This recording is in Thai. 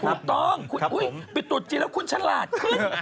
ถูกต้องปิดตุดจีนแล้วคุณฉลาดขึ้น